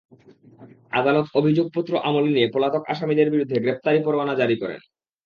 আদালত অভিযোগপত্র আমলে নিয়ে পলাতক আসামিদের বিরুদ্ধে গ্রেপ্তারি পরোয়ানা জারি করেন।